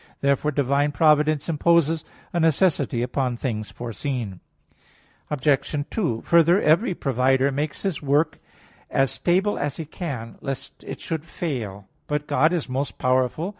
Therefore divine providence imposes a necessity upon things foreseen. Obj. 2: Further, every provider makes his work as stable as he can, lest it should fail. But God is most powerful.